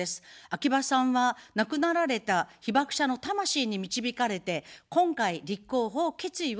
秋葉さんは、亡くなられた被爆者の魂に導かれて今回立候補を決意をいたしました。